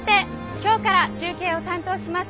今日から中継を担当します